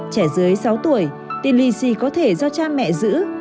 trẻ dưới sáu tuổi tiền lì xì có thể do cha mẹ giữ